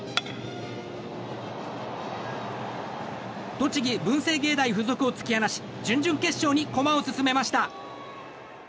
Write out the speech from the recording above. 栃木・文星芸大附属を突き放し準々決勝に駒を進めました。